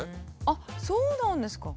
あっそうなんですか。